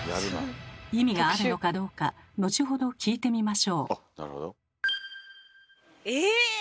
意味があるのかどうか後ほど聞いてみましょう。